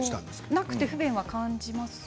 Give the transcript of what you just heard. なくて不便は感じますか？